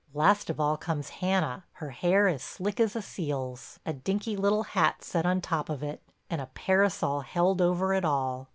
Last of all comes Hannah, her hair as slick as a seal's, a dinky little hat set on top of it, and a parasol held over it all.